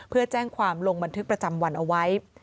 เพื่อแจ้งความลงบันทึกประจำวันเอาไว้